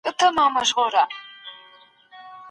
پوهه او ټیکنالوژي اقتصاد ته وده ورکوي.